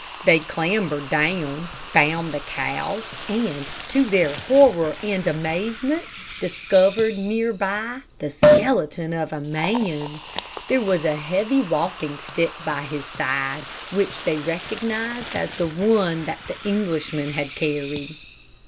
They clambered down, found the cow, and, to their horror and amazement, discovered near by the skeleton of a man. There was a heavy walking stick by his side, which they recognized as one that the Englishman had carried.